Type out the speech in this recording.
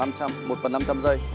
một phần năm trăm linh giây